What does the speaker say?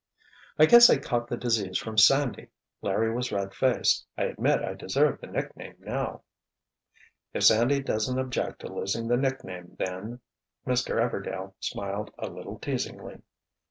"I guess I caught the disease from Sandy," Larry was red faced, "I admit I deserve the nickname now." "If Sandy doesn't object to losing the nickname, then—" Mr. Everdail smiled a little teasingly.